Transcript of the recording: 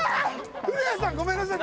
フルヤさんごめんなさい！